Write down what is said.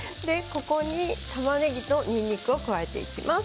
ここに、たまねぎとにんにくを加えていきます。